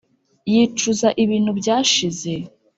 yicuza ibintu byashize?